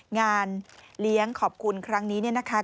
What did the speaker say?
งานเลี้ยงขอบคุณครั้งนี้เนี่ยนะคะ